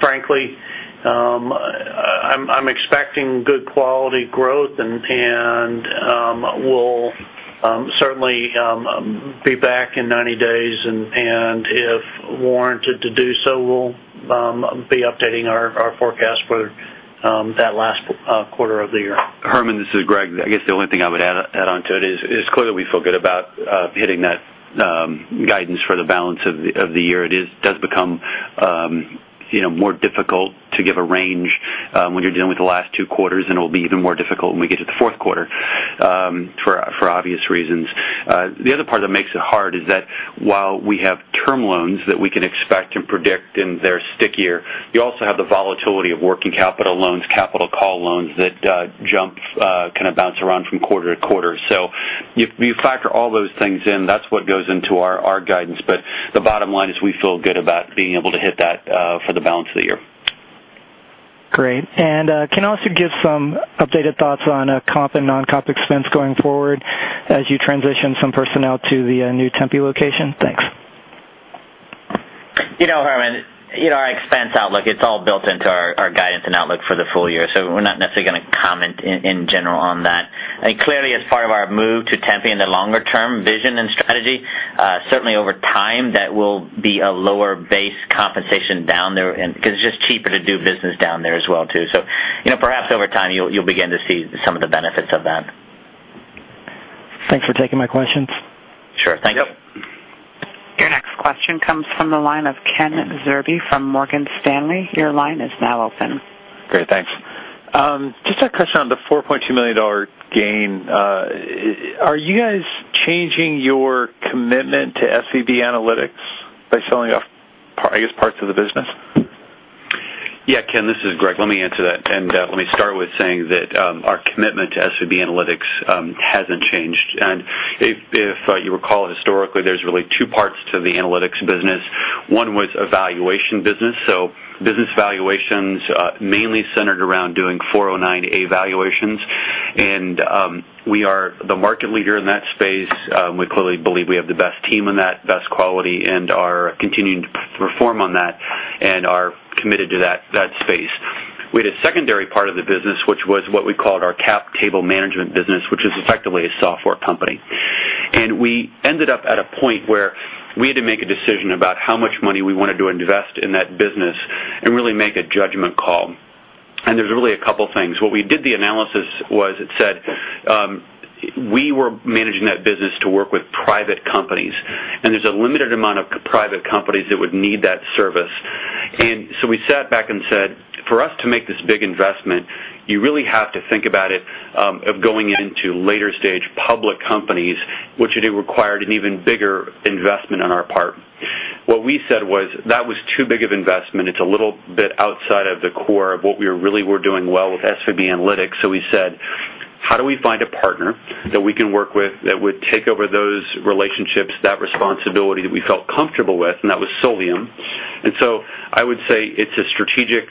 Speaker 6: Frankly, I'm expecting good quality growth and we'll certainly be back in 90 days and if warranted to do so, we'll be updating our forecast for that last quarter of the year.
Speaker 3: Herman, this is Greg. I guess the only thing I would add onto it is clearly we feel good about hitting that guidance for the balance of the year. It does become more difficult to give a range when you're dealing with the last 2 quarters, and it'll be even more difficult when we get to the 4th quarter, for obvious reasons. The other part that makes it hard is that while we have term loans that we can expect and predict and they're stickier, you also have the volatility of working capital loans, capital call loans that jump, kind of bounce around from quarter to quarter. You factor all those things in, that's what goes into our guidance. The bottom line is we feel good about being able to hit that for the balance of the year.
Speaker 14: Great. Can I also get some updated thoughts on comp and non-comp expense going forward as you transition some personnel to the new Tempe location? Thanks.
Speaker 4: Herman, our expense outlook, it's all built into our guidance and outlook for the full year. We're not necessarily going to comment in general on that. Clearly, as part of our move to Tempe in the longer term vision and strategy, certainly over time, that will be a lower base compensation down there and because it's just cheaper to do business down there as well too. Perhaps over time you'll begin to see some of the benefits of that.
Speaker 14: Thanks for taking my questions.
Speaker 4: Sure. Thank you.
Speaker 6: Yep.
Speaker 1: Your next question comes from the line of Ken Zerbe from Morgan Stanley. Your line is now open.
Speaker 15: Great. Thanks. Just a question on the $4.2 million gain. Are you guys changing your commitment to SVB Analytics by selling off, I guess, parts of the business?
Speaker 3: Yeah, Ken, this is Greg. Let me answer that. Let me start with saying that our commitment to SVB Analytics hasn't changed. If you recall, historically, there's really two parts to the analytics business. One was a valuation business. So business valuations mainly centered around doing 409A valuations. We are the market leader in that space. We clearly believe we have the best team in that, best quality, and are continuing to perform on that and are committed to that space. We had a secondary part of the business, which was what we called our Cap Table management business, which is effectively a software company. We ended up at a point where we had to make a decision about how much money we wanted to invest in that business and really make a judgment call. There's really a couple things. What we did the analysis was it said, we were managing that business to work with private companies, and there's a limited amount of private companies that would need that service. We sat back and said, for us to make this big investment, you really have to think about it, of going into later stage public companies, which it required an even bigger investment on our part. What we said was that was too big of investment. It's a little bit outside of the core of what we really were doing well with SVB Analytics. We said, how do we find a partner that we can work with that would take over those relationships, that responsibility that we felt comfortable with? That was Solium. I would say it's a strategic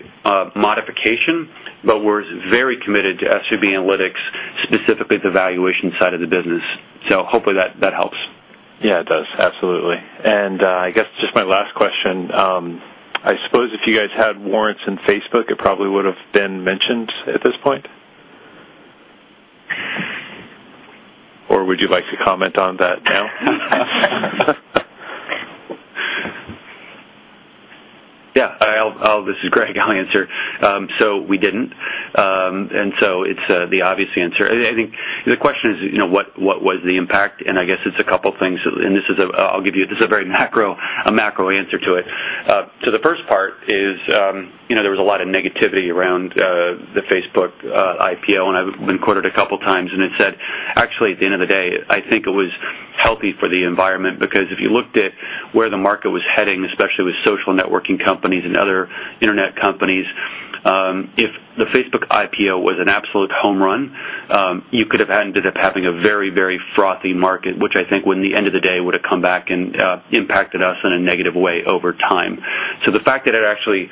Speaker 3: modification, but we're very committed to SVB Analytics, specifically the valuation side of the business. Hopefully that helps.
Speaker 15: Yeah, it does. Absolutely. I guess just my last question. I suppose if you guys had warrants in Facebook, it probably would've been mentioned at this point. Would you like to comment on that now?
Speaker 3: Yeah. This is Greg. I'll answer. We didn't. It's the obvious answer. I think the question is, what was the impact? I guess it's a couple things. I'll give you, this is a very macro answer to it. The first part is there was a lot of negativity around the Facebook IPO, and I've been quoted a couple times, and it said, actually, at the end of the day, I think it was healthy for the environment because if you looked at where the market was heading, especially with social networking companies and other internet companies, if the Facebook IPO was an absolute home run, you could have ended up having a very frothy market, which I think when the end of the day would've come back and impacted us in a negative way over time. The fact that it actually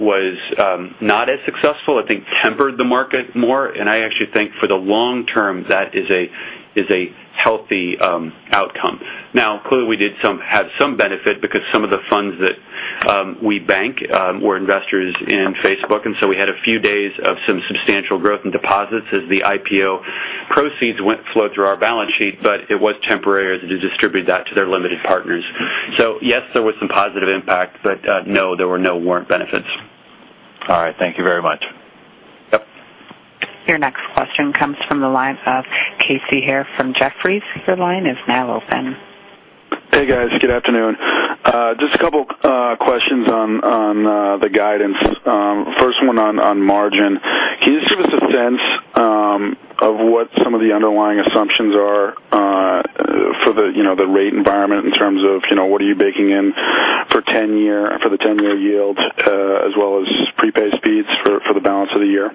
Speaker 3: was not as successful, I think tempered the market more. I actually think for the long term, that is a healthy outcome. Clearly we did have some benefit because some of the funds that we bank were investors in Facebook, and so we had a few days of some substantial growth in deposits as the IPO proceeds went flow through our balance sheet, but it was temporary as they distribute that to their limited partners. Yes, there was some positive impact, but no, there were no warrant benefits.
Speaker 15: All right. Thank you very much.
Speaker 3: Yep.
Speaker 1: Your next question comes from the line of Casey Haire from Jefferies. Your line is now open.
Speaker 16: Hey, guys. Good afternoon. Just a couple questions on the guidance. First one on margin. Can you just give us a sense of what some of the underlying assumptions are for the rate environment in terms of what are you baking in for the 10-year yield, as well as prepaid speeds for the balance of the year?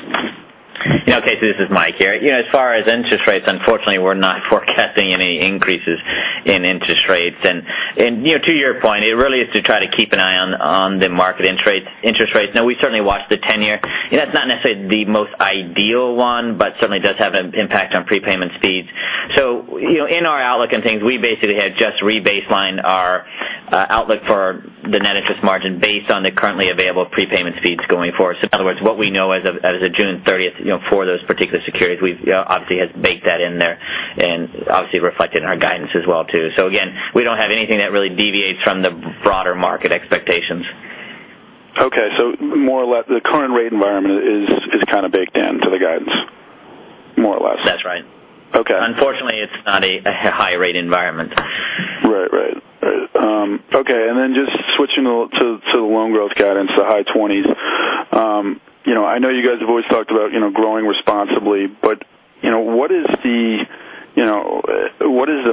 Speaker 4: Yeah, Casey Haire, this is Mike. As far as interest rates, unfortunately, we're not forecasting any increases in interest rates. To your point, it really is to try to keep an eye on the market interest rates. We certainly watch the 10-year. That's not necessarily the most ideal one, but certainly does have an impact on prepayment speeds. In our outlook and things, we basically had just re-baselined our outlook for the net interest margin based on the currently available prepayment speeds going forward. In other words, what we know as of June 30th for those particular securities, we've obviously had baked that in there and obviously reflected in our guidance as well too. Again, we don't have anything that really deviates from the broader market expectations.
Speaker 16: More or less, the current rate environment is kind of baked into the guidance, more or less.
Speaker 4: That's right.
Speaker 16: Okay.
Speaker 4: Unfortunately, it's not a high-rate environment.
Speaker 16: Right. Okay, just switching to the loan growth guidance, the high twenties. I know you guys have always talked about growing responsibly, but what is the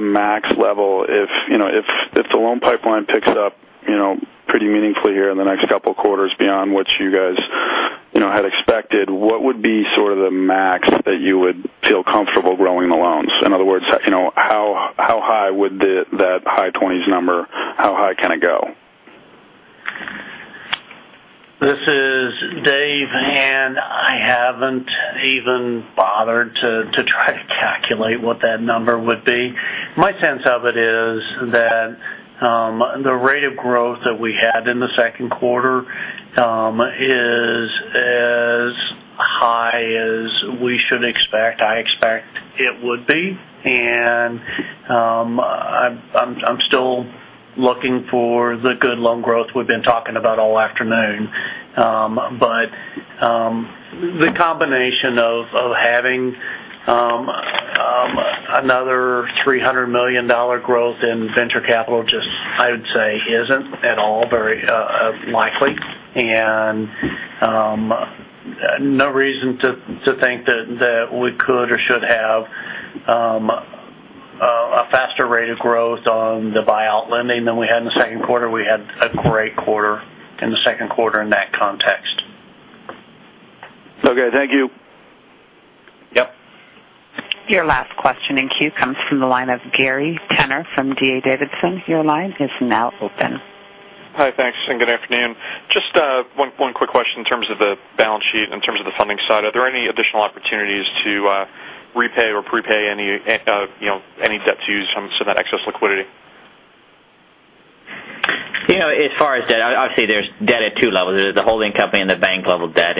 Speaker 16: max level if the loan pipeline picks up pretty meaningfully here in the next couple of quarters beyond what you guys had expected, what would be sort of the max that you would feel comfortable growing the loans? In other words, how high would that high twenties number, how high can it go?
Speaker 6: This is Dave, I haven't even bothered to try to calculate what that number would be. My sense of it is that, the rate of growth that we had in the second quarter is as high as we should expect. I expect it would be, I'm still looking for the good loan growth we've been talking about all afternoon. The combination of having another $300 million growth in venture capital, just I would say isn't at all very likely. No reason to think that we could or should have a faster rate of growth on the buyout lending than we had in the second quarter. We had a great quarter in the second quarter in that context.
Speaker 16: Okay. Thank you.
Speaker 6: Yep.
Speaker 1: Your last question in queue comes from the line of Gary Tenner from D.A. Davidson. Your line is now open.
Speaker 17: Hi, thanks, good afternoon. Just one quick question in terms of the balance sheet, in terms of the funding side. Are there any additional opportunities to repay or prepay any debt to use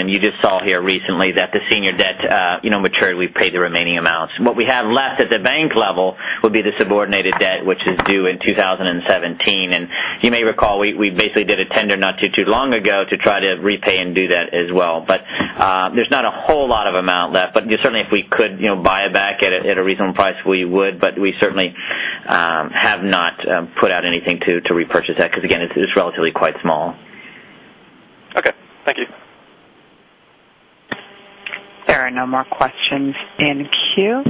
Speaker 4: You just saw here recently that the senior debt matured. We paid the remaining amounts. What we have left at the bank level will be the subordinated debt, which is due in 2017. You may recall, we basically did a tender not too long ago to try to repay and do that as well. There's not a whole lot of amount left, but certainly if we could buy it back at a reasonable price, we would. We certainly have not put out anything to repurchase that, because again, it's relatively quite small.
Speaker 17: Okay. Thank you.
Speaker 1: There are no more questions in queue.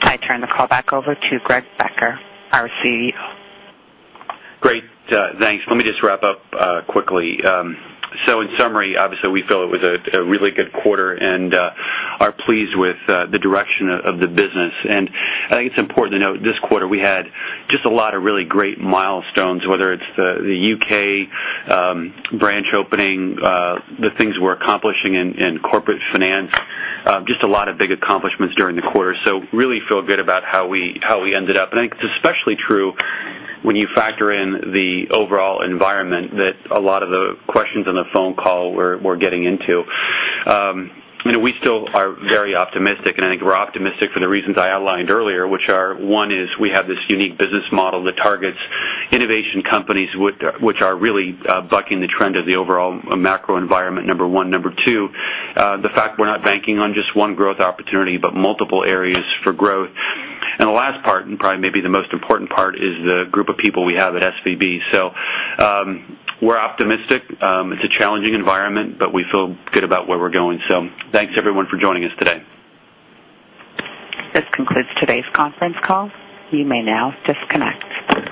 Speaker 1: I turn the call back over to Greg Becker, our CEO.
Speaker 3: Great. Thanks. Let me just wrap up quickly. In summary, obviously we feel it was a really good quarter and are pleased with the direction of the business. I think it's important to note this quarter, we had just a lot of really great milestones, whether it's the U.K. branch opening, the things we're accomplishing in corporate finance, just a lot of big accomplishments during the quarter. Really feel good about how we ended up. I think it's especially true when you factor in the overall environment that a lot of the questions on the phone call were getting into. We still are very optimistic, and I think we're optimistic for the reasons I outlined earlier, which are, one is we have this unique business model that targets innovation companies which are really bucking the trend of the overall macro environment, number one. Number two, the fact we're not banking on just one growth opportunity, but multiple areas for growth. The last part, and probably maybe the most important part, is the group of people we have at SVB. We're optimistic. It's a challenging environment, but we feel good about where we're going. Thanks everyone for joining us today.
Speaker 1: This concludes today's conference call. You may now disconnect.